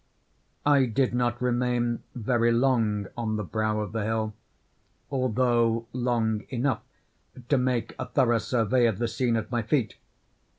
I did not remain very long on the brow of the hill, although long enough to make a thorough survey of the scene at my feet.